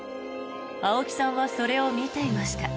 青木さんはそれを見ていました。